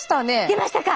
出ましたか！